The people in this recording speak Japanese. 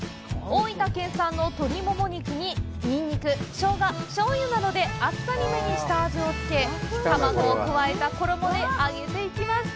大分県産の鶏もも肉にニンニク、ショウガ、醤油などで、あっさりめに下味をつけ、卵を加えた衣で揚げていきます。